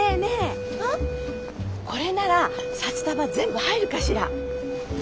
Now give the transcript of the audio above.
これなら札束全部入るかしら。